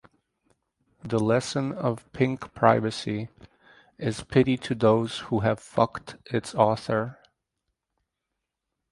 The lesson of Pink Privacy is pity to those who have fucked its author.